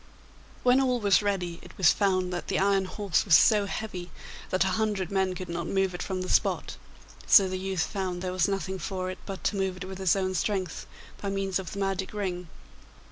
When all was ready, it was found that the iron horse was so heavy that a hundred men could not move it from the spot, so the youth found there was nothing for it but to move it with his own strength by means of the magic ring.